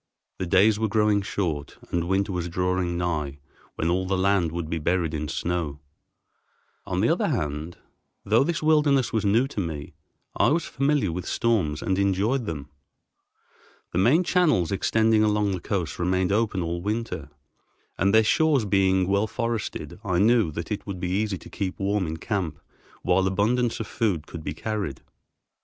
The days were growing short and winter was drawing nigh when all the land would be buried in snow. On the other hand, though this wilderness was new to me, I was familiar with storms and enjoyed them. The main channels extending along the coast remain open all winter, and, their shores being well forested, I knew that it would be easy to keep warm in camp, while abundance of food could be carried.